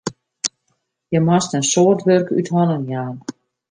Hja moast in soad wurk út hannen jaan.